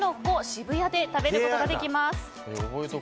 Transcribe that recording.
渋谷で食べることができます。